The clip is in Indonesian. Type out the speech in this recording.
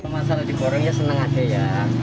masalah di korongnya senang aja ya